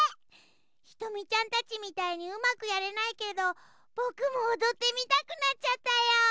ひとみちゃんたちみたいにうまくやれないけどぼくもおどってみたくなっちゃったよ！